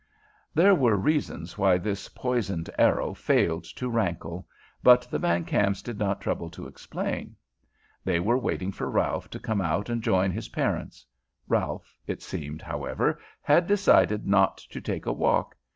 There were reasons why this poisoned arrow failed to rankle, but the Van Kamps did not trouble to explain. They were waiting for Ralph to come out and join his parents. Ralph, it seemed, however, had decided not to take a walk.